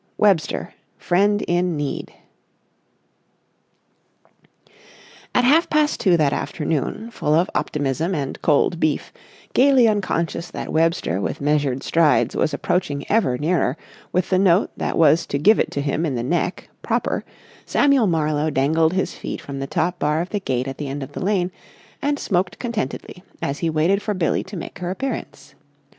WEBSTER, FRIEND IN NEED At half past two that afternoon, full of optimism and cold beef, gaily unconscious that Webster with measured strides was approaching ever nearer with the note that was to give it him in the neck, proper, Samuel Marlowe dangled his feet from the top bar of the gate at the end of the lane, and smoked contentedly as he waited for Billie to make her appearance.